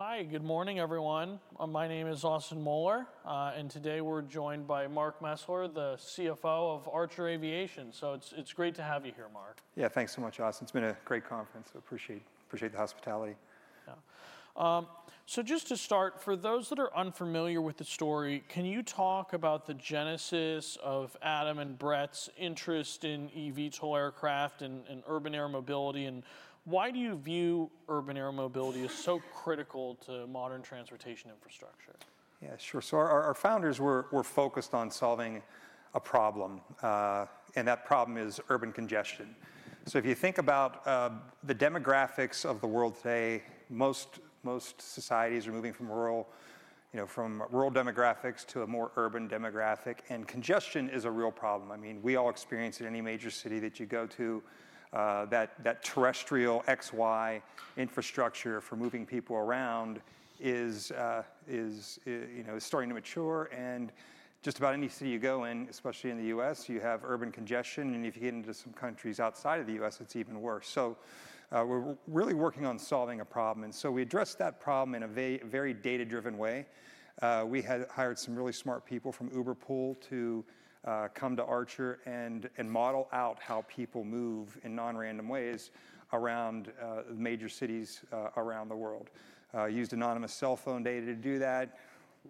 Hi, good morning, everyone. My name is Austin Moeller, and today we're joined by Mark Mesler, the CFO of Archer Aviation. So it's great to have you here, Mark. Yeah, thanks so much, Austin. It's been a great conference. I appreciate, appreciate the hospitality. Yeah. So just to start, for those that are unfamiliar with the story, can you talk about the genesis of Adam and Brett's interest in eVTOL aircraft and urban air mobility, and why do you view urban air mobility as so critical to modern transportation infrastructure? Yeah, sure. So our founders were focused on solving a problem, and that problem is urban congestion. So if you think about the demographics of the world today, most societies are moving from rural, you know, from rural demographics to a more urban demographic, and congestion is a real problem. I mean, we all experience it in any major city that you go to, that terrestrial X, Y infrastructure for moving people around is, you know, starting to mature. And just about any city you go in, especially in the US, you have urban congestion, and if you get into some countries outside of the US, it's even worse. So we're really working on solving a problem, and so we addressed that problem in a very data-driven way. We had hired some really smart people from Uber Pool to come to Archer and model out how people move in non-random ways around major cities around the world. Used anonymous cell phone data to do that.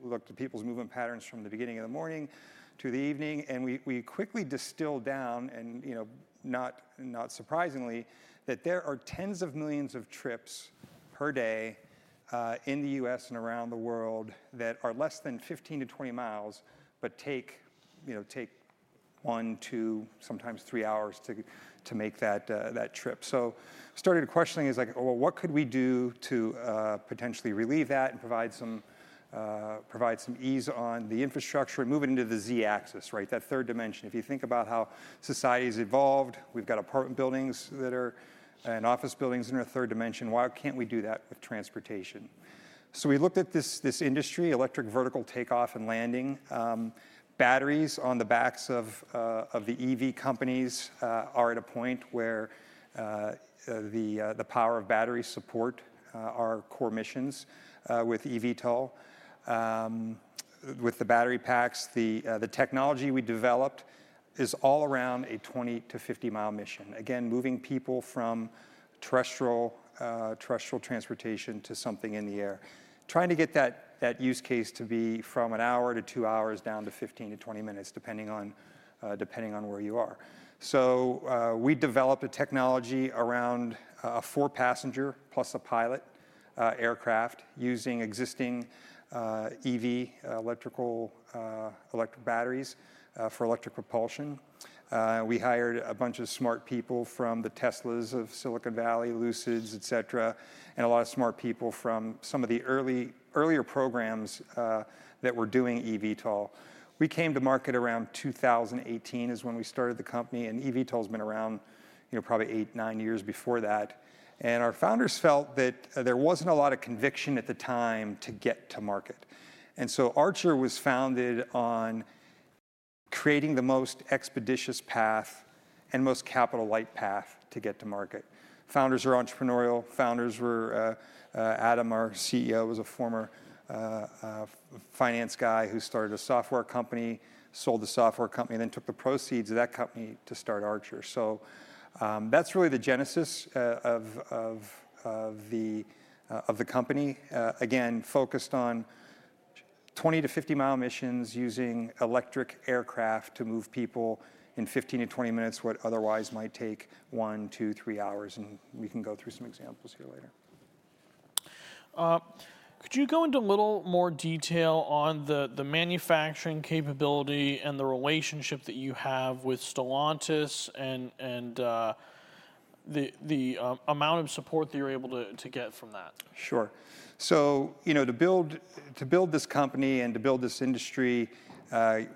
We looked at people's movement patterns from the beginning of the morning to the evening, and we quickly distilled down, and, you know, not surprisingly, that there are tens of millions of trips per day in the US and around the world, that are less than 15-20 miles, but take, you know, take 1, 2, sometimes 3 hours to make that trip. So started questioning, it's like: Well, what could we do to potentially relieve that and provide some ease on the infrastructure and move it into the Z-axis, right? That third dimension. If you think about how society's evolved, we've got apartment buildings that are... and office buildings in a third dimension, why can't we do that with transportation? So we looked at this industry, electric vertical takeoff and landing. Batteries on the backs of the EV companies are at a point where the power of batteries support our core missions with eVTOL. With the battery packs, the technology we developed is all around a 20- to 50-mile mission. Again, moving people from terrestrial transportation to something in the air. Trying to get that use case to be from 1 hour to 2 hours, down to 15-20 minutes, depending on where you are. So, we developed a technology around a four-passenger, plus a pilot, aircraft, using existing EV electrical, electric batteries, for electric propulsion. We hired a bunch of smart people from the Teslas of Silicon Valley, Lucids, et cetera, and a lot of smart people from some of the early, earlier programs that were doing eVTOL. We came to market around 2018, is when we started the company, and eVTOL's been around, you know, probably eight, nine years before that. And our founders felt that there wasn't a lot of conviction at the time to get to market. And so Archer was founded on creating the most expeditious path and most capital-light path to get to market. Founders are entrepreneurial. Founders were... Adam, our CEO, is a former finance guy who started a software company, sold the software company, and then took the proceeds of that company to start Archer. So, that's really the genesis of the company. Again, focused on 20- to 50-mile missions using electric aircraft to move people in 15 to 20 minutes, what otherwise might take 1, 2, 3 hours, and we can go through some examples here later. Could you go into a little more detail on the manufacturing capability and the relationship that you have with Stellantis and the amount of support that you're able to get from that? Sure. So, you know, to build this company and to build this industry,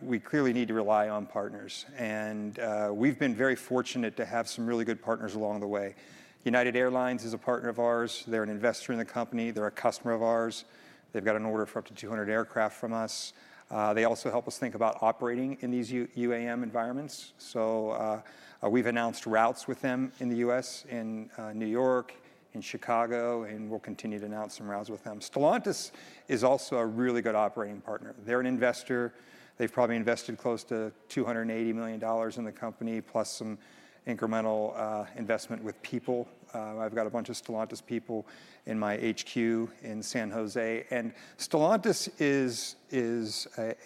we clearly need to rely on partners and, we've been very fortunate to have some really good partners along the way. United Airlines is a partner of ours. They're an investor in the company. They're a customer of ours. They've got an order for up to 200 aircraft from us. They also help us think about operating in these UAM environments. So, we've announced routes with them in the U.S. and New York and Chicago, and we'll continue to announce some routes with them. Stellantis is also a really good operating partner. They're an investor. They've probably invested close to $280 million in the company, plus some incremental investment with people. I've got a bunch of Stellantis people in my HQ in San Jose. And Stellantis is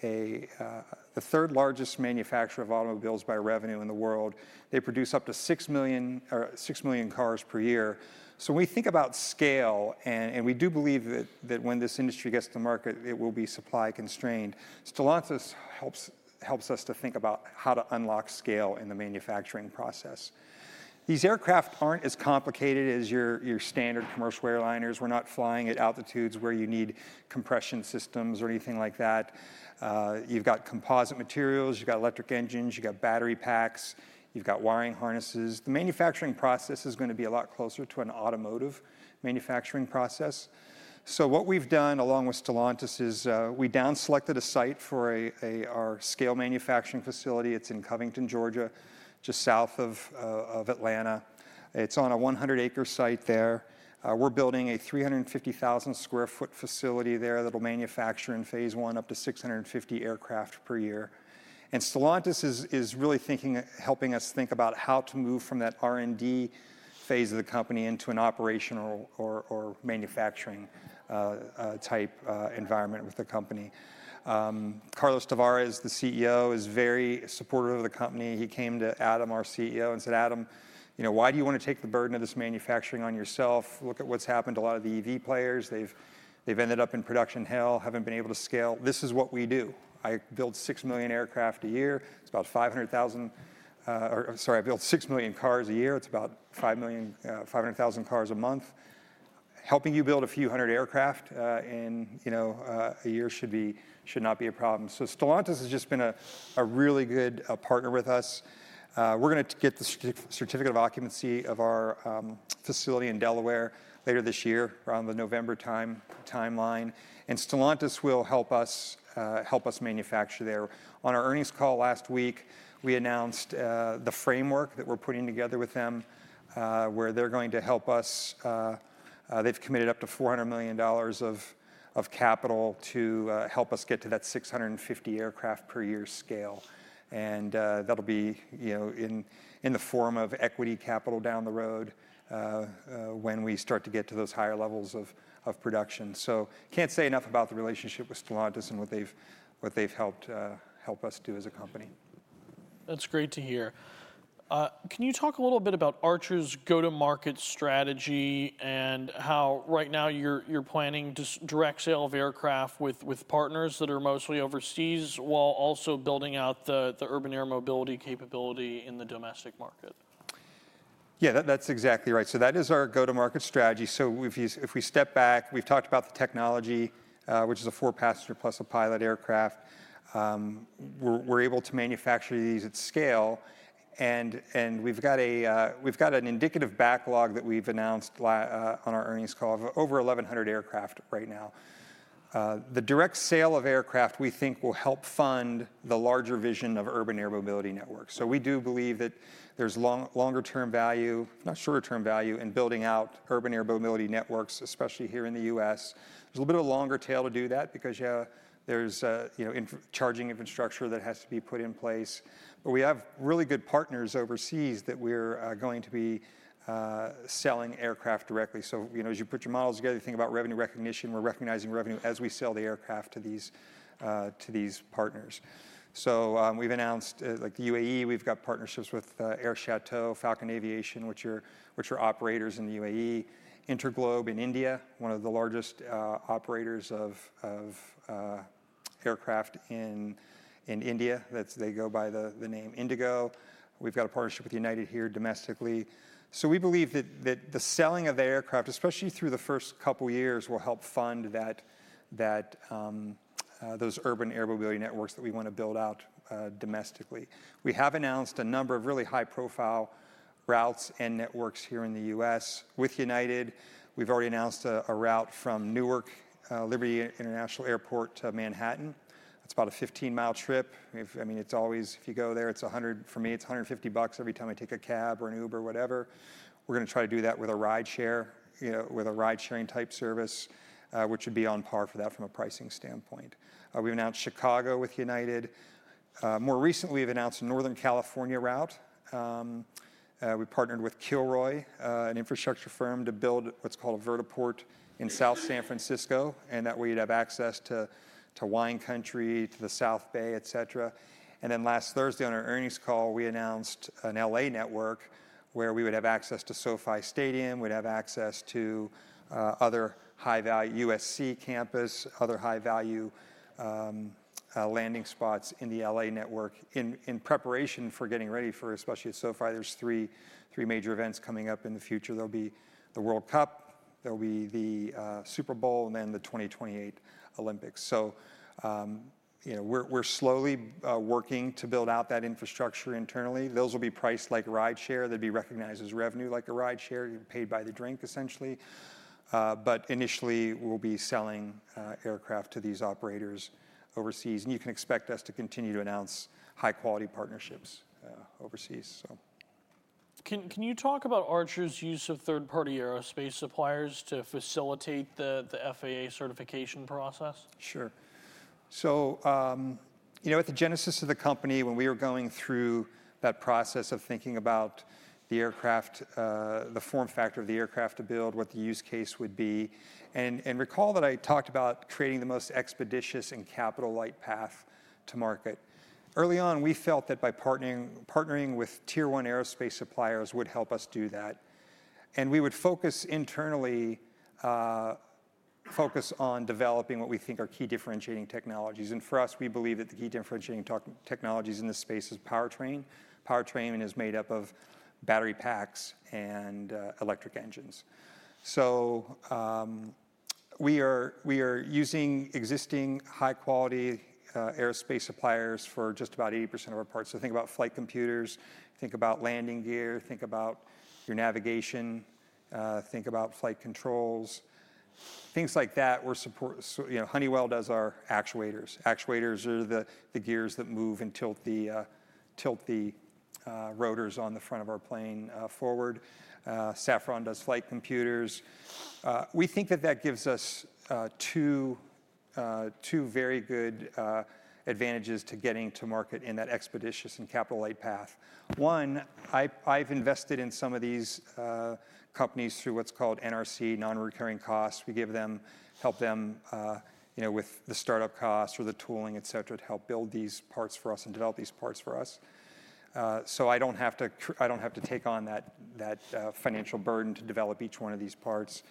a the third largest manufacturer of automobiles by revenue in the world. They produce up to 6 million, or 6 million cars per year. So when we think about scale, and we do believe that when this industry gets to market, it will be supply-constrained, Stellantis helps us to think about how to unlock scale in the manufacturing process. These aircraft aren't as complicated as your standard commercial airliners. We're not flying at altitudes where you need compression systems or anything like that. You've got composite materials, you've got electric engines, you've got battery packs, you've got wiring harnesses. The manufacturing process is gonna be a lot closer to an automotive manufacturing process. So what we've done, along with Stellantis, is we down-selected a site for our scale manufacturing facility. It's in Covington, Georgia, just south of Atlanta. It's on a 100-acre site there. We're building a 350,000 sq ft facility there that'll manufacture in phase one, up to 650 aircraft per year. Stellantis is really thinking, helping us think about how to move from that R&D phase of the company into an operational or manufacturing type environment with the company. Carlos Tavares, the CEO, is very supportive of the company. He came to Adam, our CEO, and said, "Adam, you know, why do you want to take the burden of this manufacturing on yourself? Look at what's happened to a lot of the EV players. They've ended up in production hell, haven't been able to scale. This is what we do. I build 6 million aircraft a year. It's about 500,000... or sorry, "I build 6 million cars a year. It's about 5 million, 500,000 cars a month."... helping you build a few hundred aircraft, you know, a year should be, should not be a problem. So Stellantis has just been a really good partner with us. We're gonna get the certificate of occupancy of our facility in Delaware later this year, around the November timeline, and Stellantis will help us manufacture there. On our earnings call last week, we announced the framework that we're putting together with them, where they're going to help us. They've committed up to $400 million of capital to help us get to that 650 aircraft per year scale, and that'll be, you know, in the form of equity capital down the road, when we start to get to those higher levels of production. So can't say enough about the relationship with Stellantis and what they've helped us do as a company. That's great to hear. Can you talk a little bit about Archer's go-to-market strategy and how right now you're planning just direct sale of aircraft with partners that are mostly overseas, while also building out the urban air mobility capability in the domestic market? Yeah, that, that's exactly right. So that is our go-to-market strategy. So if you, if we step back, we've talked about the technology, which is a four-passenger plus a pilot aircraft. We're, we're able to manufacture these at scale, and, and we've got a, we've got an indicative backlog that we've announced on our earnings call of over 1,100 aircraft right now. The direct sale of aircraft, we think, will help fund the larger vision of urban air mobility networks. So we do believe that there's longer-term value, not shorter-term value, in building out urban air mobility networks, especially here in the US. There's a little bit of a longer tail to do that because, yeah, there's, you know, charging infrastructure that has to be put in place. But we have really good partners overseas that we're going to be selling aircraft directly. So, you know, as you put your models together, you think about revenue recognition, we're recognizing revenue as we sell the aircraft to these partners. So, we've announced, like the UAE, we've got partnerships with Air Chateau, Falcon Aviation, which are operators in the UAE. InterGlobe in India, one of the largest operators of aircraft in India. That's. They go by the name IndiGo. We've got a partnership with United here domestically. So we believe that the selling of the aircraft, especially through the first couple years, will help fund those urban air mobility networks that we want to build out domestically. We have announced a number of really high-profile routes and networks here in the US. With United, we've already announced a route from Newark Liberty International Airport to Manhattan. That's about a 15-mile trip. I mean, it's always, if you go there, it's $100, for me, it's $150 every time I take a cab or an Uber, whatever. We're gonna try to do that with a rideshare, you know, with a ride-sharing type service, which would be on par for that from a pricing standpoint. We've announced Chicago with United. More recently, we've announced a Northern California route. We partnered with Kilroy, an infrastructure firm, to build what's called a vertiport in South San Francisco, and that we'd have access to wine country, to the South Bay, et cetera. And then last Thursday, on our earnings call, we announced an LA network, where we would have access to SoFi Stadium, we'd have access to other high-value, USC campus, other high-value landing spots in the LA network in preparation for getting ready for, especially at SoFi, there's three major events coming up in the future. There'll be the World Cup, there'll be the Super Bowl, and then the 2028 Olympics. So, you know, we're slowly working to build out that infrastructure internally. Those will be priced like a rideshare. They'd be recognized as revenue like a rideshare. You're paid by the drink, essentially. But initially, we'll be selling aircraft to these operators overseas, and you can expect us to continue to announce high-quality partnerships overseas, so. Can you talk about Archer's use of third-party aerospace suppliers to facilitate the FAA certification process? Sure. So, you know, at the genesis of the company, when we were going through that process of thinking about the aircraft, the form factor of the aircraft to build, what the use case would be, and recall that I talked about creating the most expeditious and capital-light path to market. Early on, we felt that by partnering with tier one aerospace suppliers would help us do that, and we would focus internally, focus on developing what we think are key differentiating technologies. And for us, we believe that the key differentiating technologies in this space is powertrain. Powertrain is made up of battery packs and electric engines. So, we are using existing high-quality aerospace suppliers for just about 80% of our parts. So think about flight computers, think about landing gear, think about your navigation, think about flight controls, things like that. So, you know, Honeywell does our actuators. Actuators are the gears that move and tilt the rotors on the front of our plane forward. Safran does flight computers. We think that that gives us two very good advantages to getting to market in that expeditious and capital-light path. One, I've invested in some of these companies through what's called NRC, non-recurring costs. We help them, you know, with the startup costs or the tooling, et cetera, to help build these parts for us and develop these parts for us. So I don't have to take on that financial burden to develop each one of these parts.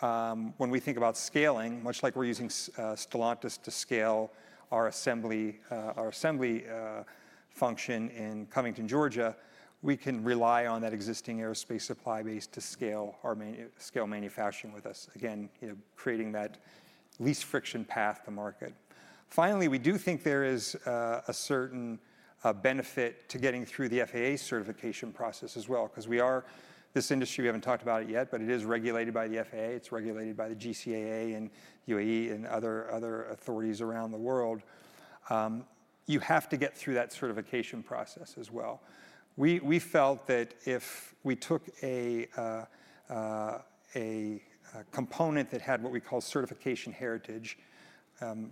When we think about scaling, much like we're using Stellantis to scale our assembly function in Covington, Georgia, we can rely on that existing aerospace supply base to scale our manufacturing with us. Again, you know, creating that least friction path to market. Finally, we do think there is a certain benefit to getting through the FAA certification process as well, cause we are. This industry, we haven't talked about it yet, but it is regulated by the FAA, it's regulated by the GCAA in UAE and other authorities around the world. You have to get through that certification process as well. We felt that if we took a component that had what we call certification heritage,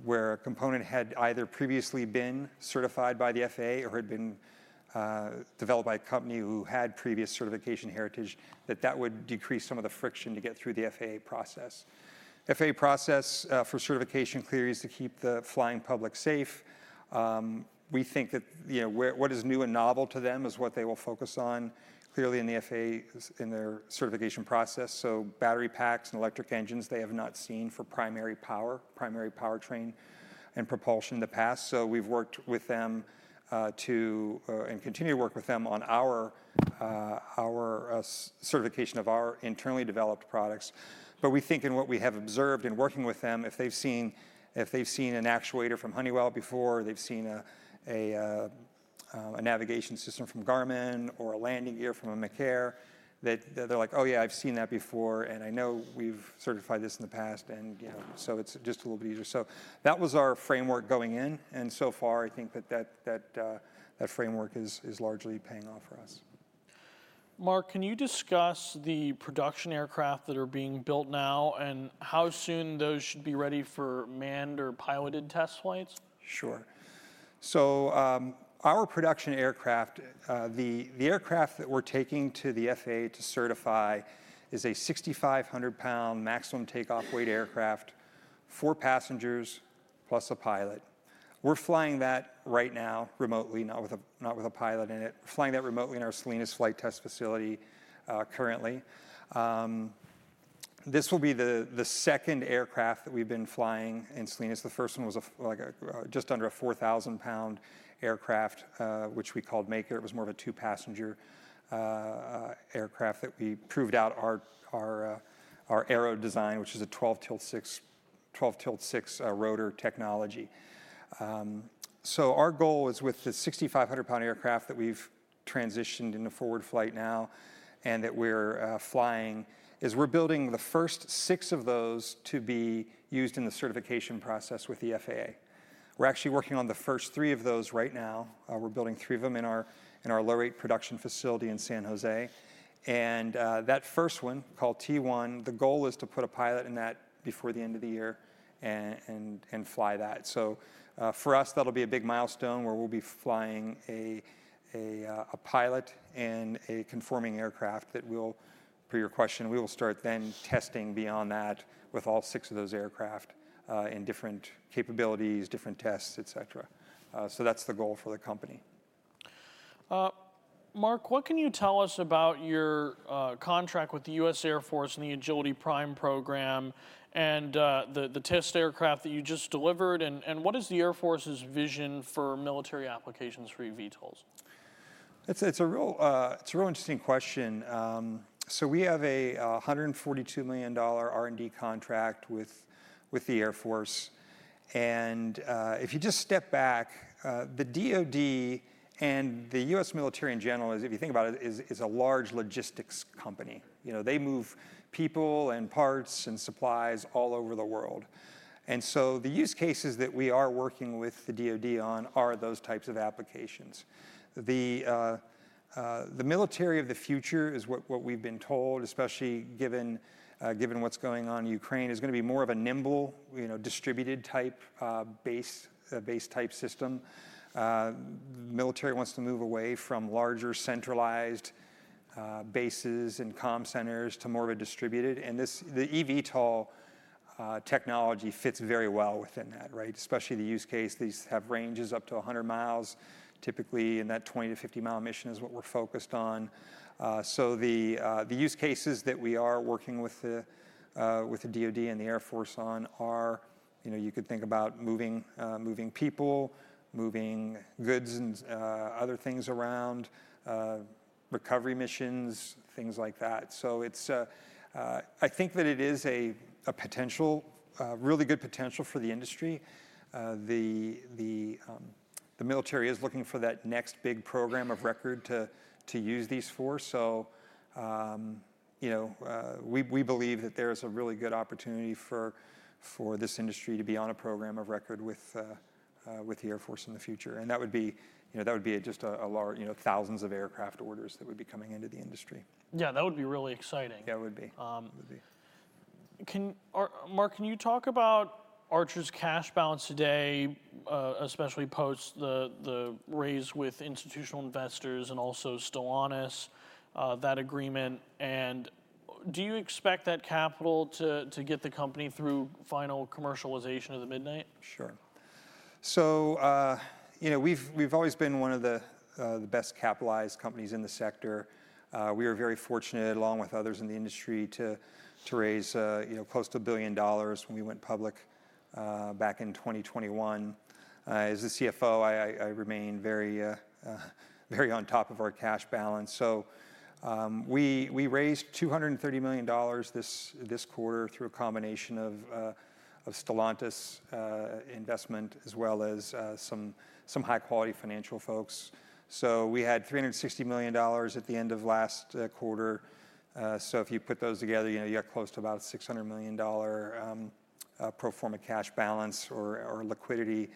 where a component had either previously been certified by the FAA or had been developed by a company who had previous certification heritage, that that would decrease some of the friction to get through the FAA process. FAA process for certification clearly is to keep the flying public safe. We think that, you know, what is new and novel to them is what they will focus on, clearly in the FAA in their certification process. So battery packs and electric engines they have not seen for primary power, primary powertrain and propulsion in the past. So we've worked with them and continue to work with them on our certification of our internally developed products. But we think and what we have observed in working with them, if they've seen an actuator from Honeywell before, or they've seen a navigation system from Garmin or a landing gear from a Mecaer, that they're like: "Oh yeah, I've seen that before, and I know we've certified this in the past," and, you know, so it's just a little bit easier. So that was our framework going in, and so far, I think that framework is largely paying off for us. Mark, can you discuss the production aircraft that are being built now, and how soon those should be ready for manned or piloted test flights? Sure. So, our production aircraft, the aircraft that we're taking to the FAA to certify is a 6,500-pound maximum takeoff weight aircraft, 4 passengers, plus a pilot. We're flying that right now remotely, not with a pilot in it. We're flying that remotely in our Salinas flight test facility, currently. This will be the second aircraft that we've been flying in Salinas. The first one was like a just under a 4,000-pound aircraft, which we called Maker. It was more of a 2-passenger aircraft that we proved out our aero design, which is a 12 tilt 6, 12 tilt 6 rotor technology. So our goal is with the 6,500-pound aircraft that we've transitioned into forward flight now and that we're flying, is we're building the first six of those to be used in the certification process with the FAA. We're actually working on the first three of those right now. We're building three of them in our low-rate production facility in San Jose. And that first one, called T1, the goal is to put a pilot in that before the end of the year and fly that. So for us, that'll be a big milestone where we'll be flying a pilot in a conforming aircraft that we'll... Per your question, we will start then testing beyond that with all six of those aircraft in different capabilities, different tests, et cetera. So that's the goal for the company. Mark, what can you tell us about your contract with the U.S. Air Force and the Agility Prime program and the test aircraft that you just delivered? And what is the Air Force's vision for military applications for eVTOLs? It's a real interesting question. So we have a $142 million R&D contract with the Air Force. And if you just step back, the DoD and the U.S. military in general is if you think about it a large logistics company. You know, they move people and parts and supplies all over the world. And so the use cases that we are working with the DoD on are those types of applications. The military of the future is what we've been told, especially given what's going on in Ukraine, is gonna be more of a nimble, you know, distributed type base type system. Military wants to move away from larger, centralized, bases and comm centers to more of a distributed, and this, the eVTOL, technology fits very well within that, right? Especially the use case, these have ranges up to 100 miles, typically, and that 20- to 50-mile mission is what we're focused on. So the, the use cases that we are working with the, with the DoD and the Air Force on are, you know, you could think about moving, moving people, moving goods and other things around, recovery missions, things like that. So it's, I think that it is a, a potential, a really good potential for the industry. The, the, the military is looking for that next big program of record to, to use these for. You know, we believe that there's a really good opportunity for this industry to be on a program of record with the Air Force in the future. That would be, you know, that would be just a large, you know, thousands of aircraft orders that would be coming into the industry. Yeah, that would be really exciting. Yeah, it would be. Um- It would be. Can, Mark, can you talk about Archer's cash balance today, especially post the raise with institutional investors and also Stellantis that agreement? And do you expect that capital to get the company through final commercialization of the Midnight? Sure. So, you know, we've always been one of the best capitalized companies in the sector. We are very fortunate, along with others in the industry, to raise, you know, close to $1 billion when we went public back in 2021. As the CFO, I remain very on top of our cash balance. So, we raised $230 million this quarter through a combination of Stellantis' investment, as well as some high-quality financial folks. So we had $360 million at the end of last quarter. So if you put those together, you know, you got close to about a $600 million pro forma cash balance or liquidity.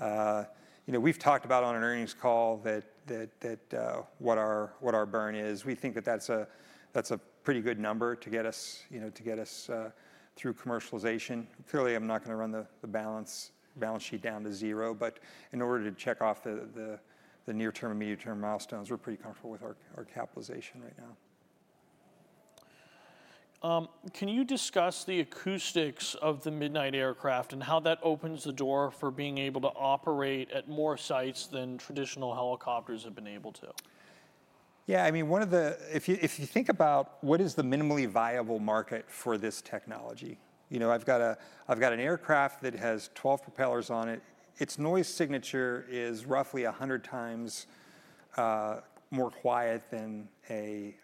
You know, we've talked about on an earnings call what our burn is. We think that that's a pretty good number to get us, you know, through commercialization. Clearly, I'm not gonna run the balance sheet down to zero, but in order to check off the near-term, immediate-term milestones, we're pretty comfortable with our capitalization right now. Can you discuss the acoustics of the Midnight aircraft, and how that opens the door for being able to operate at more sites than traditional helicopters have been able to? Yeah, I mean, one of the... If you think about what is the minimally viable market for this technology, you know, I've got an aircraft that has 12 propellers on it. Its noise signature is roughly 100 times more quiet than a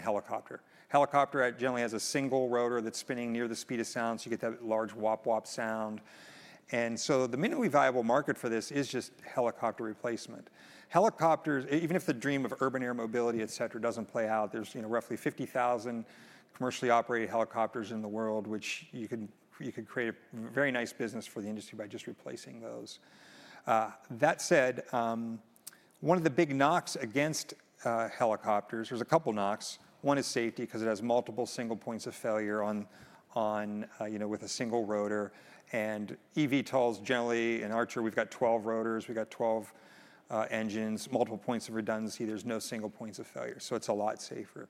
helicopter. Helicopter generally has a single rotor that's spinning near the speed of sound, so you get that large whop-whop sound. And so the minimally viable market for this is just helicopter replacement. Helicopters, even if the dream of urban air mobility, et cetera, doesn't play out, there's, you know, roughly 50,000 commercially operated helicopters in the world, which you could create a very nice business for the industry by just replacing those. That said, one of the big knocks against helicopters, there's a couple knocks. One is safety, 'cause it has multiple single points of failure on you know, with a single rotor. And eVTOLs generally, in Archer, we've got 12 rotors, we've got 12 engines, multiple points of redundancy. There's no single points of failure, so it's a lot safer.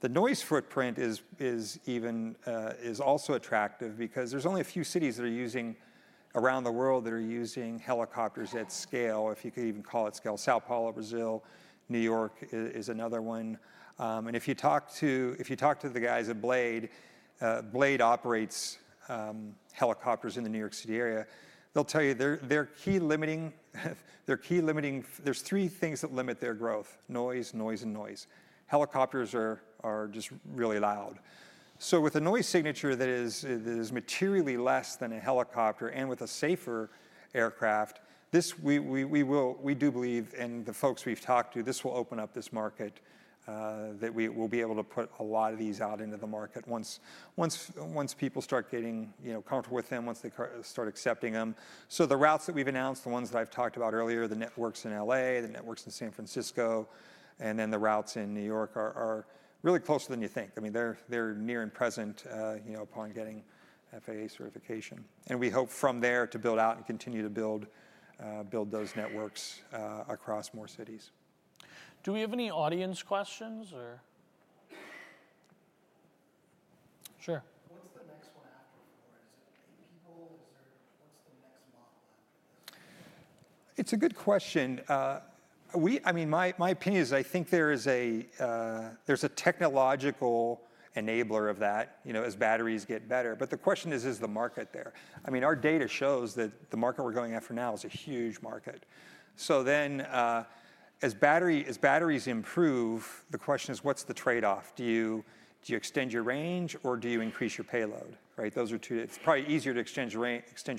The noise footprint is, is even is also attractive because there's only a few cities that are using, around the world, that are using helicopters at scale, if you could even call it scale. São Paulo, Brazil, New York is another one. And if you talk to the guys at Blade, Blade operates helicopters in the New York City area, they'll tell you their key limiting, their key limiting f- there's three things that limit their growth: noise, noise, and noise. Helicopters are just really loud. So with a noise signature that is materially less than a helicopter, and with a safer aircraft, we do believe, and the folks we've talked to, this will open up this market, that we will be able to put a lot of these out into the market once people start getting, you know, comfortable with them, once they start accepting them. So the routes that we've announced, the ones that I've talked about earlier, the networks in LA, the networks in San Francisco, and then the routes in New York are really closer than you think. I mean, they're near and present, you know, upon getting FAA certification. And we hope from there to build out and continue to build those networks across more cities. Do we have any audience questions, or…? Sure. What's the next one after four? Is it eight people? Is there... What's the next model after this? It's a good question. I mean, my opinion is I think there is a, there's a technological enabler of that, you know, as batteries get better. But the question is, is the market there? I mean, our data shows that the market we're going after now is a huge market. So then, as batteries improve, the question is what's the trade-off? Do you, do you extend your range or do you increase your payload, right? Those are two... It's probably easier to extend your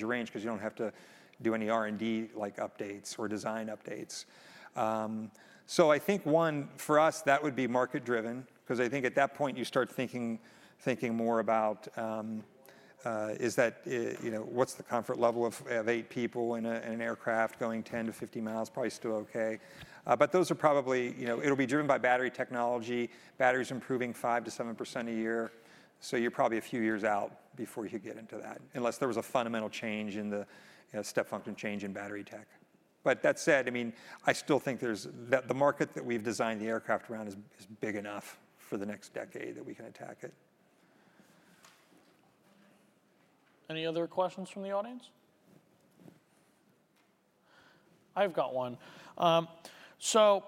range 'cause you don't have to do any R&D, like, updates or design updates. So I think, one, for us, that would be market-driven, 'cause I think at that point you start thinking more about, you know, what's the comfort level of eight people in an aircraft going 10-50 miles? Probably still okay. But those are probably... You know, it'll be driven by battery technology. Batteries are improving 5%-7% a year, so you're probably a few years out before you get into that, unless there was a fundamental change in the, you know, step function change in battery tech. But that said, I mean, I still think that the market that we've designed the aircraft around is big enough for the next decade that we can attack it. Any other questions from the audience? I've got one. So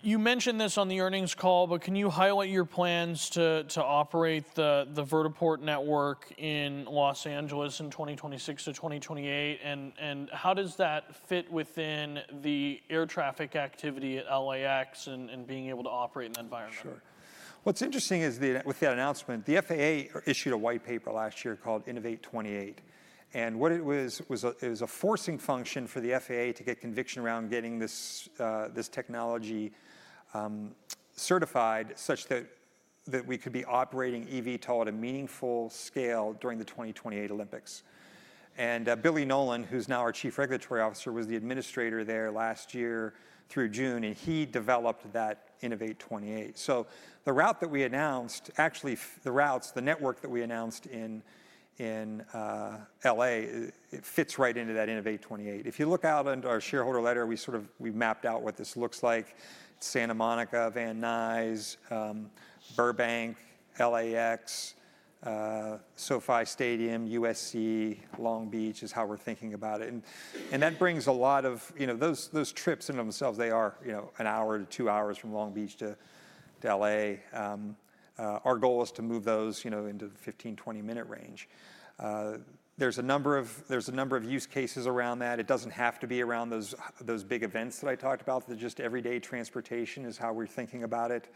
you mentioned this on the earnings call, but can you highlight your plans to operate the vertiport network in Los Angeles in 2026 to 2028? And how does that fit within the air traffic activity at LAX and being able to operate in that environment? Sure. What's interesting is with that announcement, the FAA issued a white paper last year called Innovate28, and what it was was a forcing function for the FAA to get conviction around getting this technology certified, such that that we could be operating eVTOL at a meaningful scale during the 2028 Olympics. And Billy Nolen, who's now our Chief Regulatory Officer, was the administrator there last year through June, and he developed that Innovate28. So the route that we announced, actually, the routes, the network that we announced in L.A., it fits right into that Innovate28. If you look out onto our shareholder letter, we sort of, we mapped out what this looks like. Santa Monica, Van Nuys, Burbank, LAX, SoFi Stadium, USC, Long Beach, is how we're thinking about it. That brings a lot of. You know, those trips in themselves, they are, you know, an hour to two hours from Long Beach to LA. Our goal is to move those, you know, into the 15-20-minute range. There's a number of use cases around that. It doesn't have to be around those big events that I talked about, the just everyday transportation is how we're thinking about it.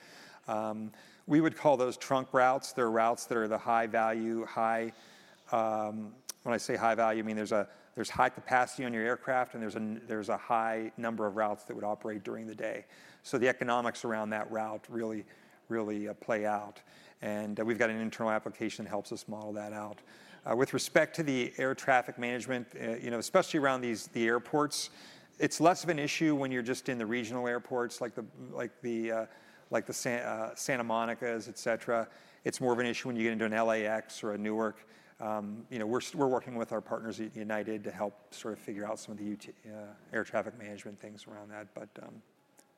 We would call those trunk routes. They're routes that are the high value, high. When I say high value, I mean there's high capacity on your aircraft, and there's a high number of routes that would operate during the day. So the economics around that route really, really, play out, and we've got an internal application that helps us model that out. With respect to the air traffic management, you know, especially around these, the airports, it's less of an issue when you're just in the regional airports like the Santa Monicas, et cetera. It's more of an issue when you get into an LAX or a Newark. You know, we're working with our partners at United to help sort of figure out some of the UAM air traffic management things around that.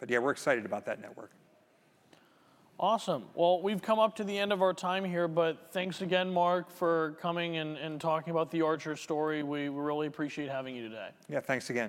But yeah, we're excited about that network. Awesome. Well, we've come up to the end of our time here, but thanks again, Mark, for coming and talking about the Archer story. We really appreciate having you today. Yeah, thanks again.